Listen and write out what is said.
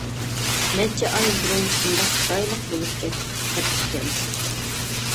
نەچچە ئاي بۇرۇن شۇنداق چىرايلىق بولۇپ كەپتىكەن.